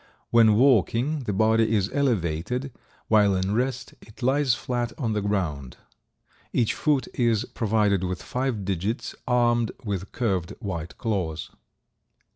When walking the body is elevated, while in rest it lies flat on the ground. Each foot is provided with five digits armed with curved white claws.